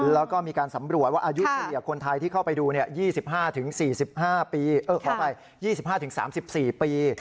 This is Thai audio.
แล้วก็มีการสำรวจว่าอายุทีคนไทยที่เข้าไปดู๒๕๓๔ปี